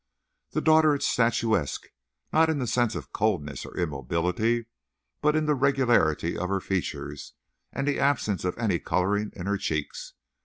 The daughter is statuesque; not in the sense of coldness or immobility, but in the regularity of her features and the absence of any coloring in her cheeks.